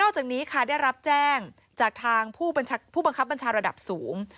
จากนี้ค่ะได้รับแจ้งจากทางผู้บังคับบัญชาระดับสูง